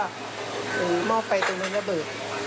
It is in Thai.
แล้วตอนแรกคิดว่าม่อไฟตรงนั้นระเบิด